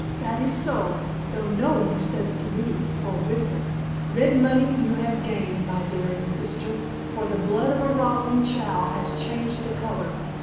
"That is so, though 'No' you says to me, for wisdom. Red money you have gained, my daring sister, for the blood of a Romany chal has changed the color.